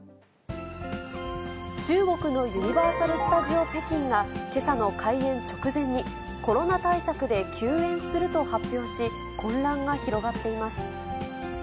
中国のユニバーサル・スタジオ北京が、けさの開園直前に、コロナ対策で休園すると発表し、混乱が広がっています。